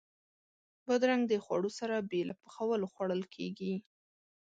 بادرنګ د خوړو سره بې له پخولو خوړل کېږي.